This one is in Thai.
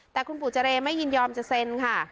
แต่คุณปู่เจรไม่ยินยอมจะเซ็นค่ะ